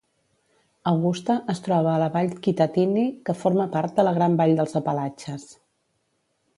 Augusta es troba a la vall Kittatinny, que forma part de la Gran Vall dels Apalatxes.